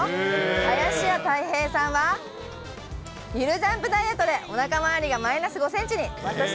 林家たい平さんは、ゆるジャンプダイエットで、おなか回りがマイナス５センチに。